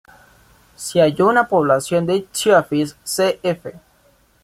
Se halló una población de "Ichthyophis" cf.